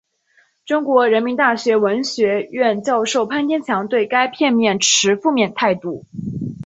中国人民大学文学院教授潘天强对该片持负面态度。